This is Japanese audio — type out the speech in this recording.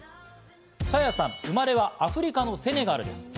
Ｓａｙａさん、生まれはアフリカのセネガルです。